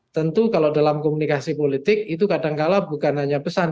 tentu kalau dalam komunikasi politik itu kadangkala bukan hanya pesan